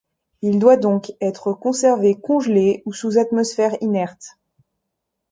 Il doit donc être conservé congelé ou sous atmosphère inerte.